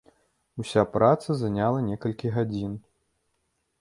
Уся праца заняла некалькі гадзін.